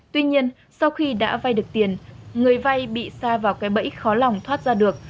tuy nhiên sau khi đã vay được tiền người vay bị xa vào cái bẫy khó lòng thoát ra được